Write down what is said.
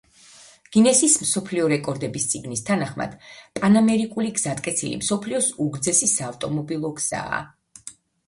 გინესის მსოფლიო რეკორდების წიგნის თანახმად, პანამერიკული გზატკეცილი მსოფლიოს უგრძესი საავტომობილო გზაა.